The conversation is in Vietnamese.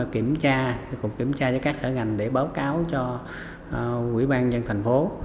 kiểm tra cũng kiểm tra cho các sở ngành để báo cáo cho quỹ ban dân thành phố